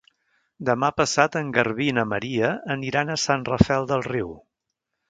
Demà passat en Garbí i na Maria aniran a Sant Rafel del Riu.